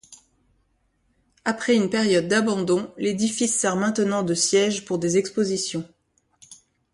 Après une période d'abandon, l'édifice sert maintenant de siège pour des expositions.